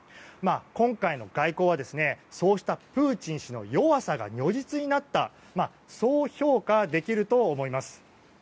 今回の外交はそうしたプーチン氏の弱さが如実になったそう評価できると思います。